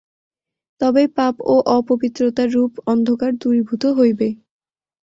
তবেই পাপ ও অপবিত্রতারূপ অন্ধকার দূরীভূত হইবে।